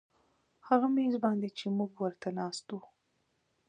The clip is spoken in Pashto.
هغه میز باندې چې موږ ورته ناست وو